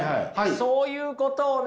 そういうことをね